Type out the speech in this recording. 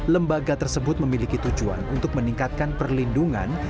lembaga tersebut memiliki tujuan untuk meningkatkan perlindungan